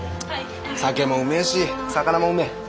酒もうめえし肴もうめえ。